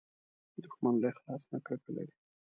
دښمن له اخلاص نه کرکه لري